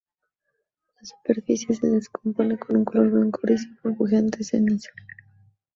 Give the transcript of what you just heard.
La superficie se descompone con un color blanco-gris y burbujeante cenizo-esmalte.